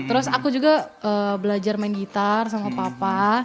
terus aku juga belajar main gitar sama papa